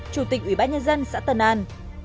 chủ tịch ủy ban nhân dân xã tân an